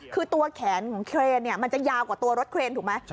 คือตัวแขนของเครนมันจะยาวกว่าตัวรถเครนถูกไหม